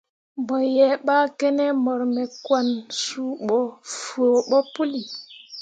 Mo yea ɓa kene mor me kwan suu ɓo fuo ɓo pəlli.